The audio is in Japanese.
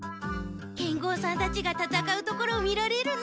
剣豪さんたちがたたかうところを見られるの？